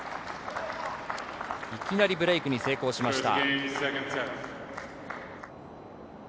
いきなりブレークに成功しました。